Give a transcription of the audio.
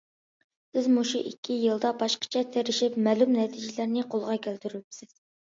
سىز مۇشۇ ئىككى يىلدا باشقىچە تىرىشىپ مەلۇم نەتىجىلەرنى قولغا كەلتۈرۈپسىز.